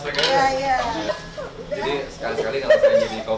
iya kan hari ini itu sama